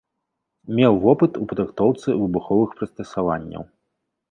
Меў вопыт у падрыхтоўцы выбуховых прыстасаванняў.